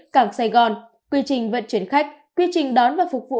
cảng sài gòn quy trình vận chuyển khách quy trình đón và phục vụ